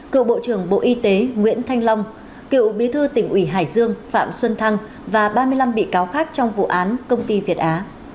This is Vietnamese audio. cựu bộ trưởng bộ y tế nguyễn thanh long cựu bí thư tỉnh ủy hải dương phạm xuân thăng và ba mươi năm bị cáo khác trong vụ án công ty việt á